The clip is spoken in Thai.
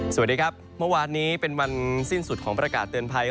สวัสดีครับเมื่อวานนี้เป็นวันสิ้นสุดของประกาศเตือนภัย